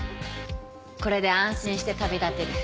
これで安心して旅立てる。